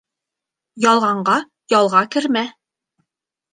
Ялғанға ялға кермә.